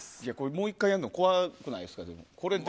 もう１回やるの怖くないですか。